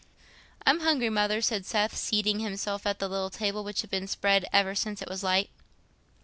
"I'm hungry, Mother," said Seth, seating himself at the little table, which had been spread ever since it was light.